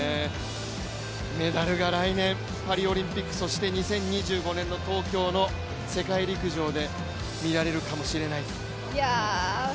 メダルが来年パリオリンピック、そして東京の世界陸上で見られるかもしれない。